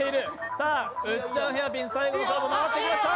さあ、ウッチャンヘアピン、最後のカーブ、曲がってきました。